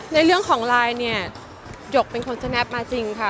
ในเรื่องของไลน์เนี่ยหยกเป็นคนสแนปมาจริงค่ะ